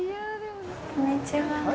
こんにちは。